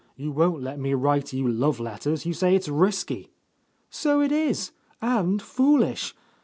You won't let me write you love letters. You say it's risky.'' "So it is, and foolish.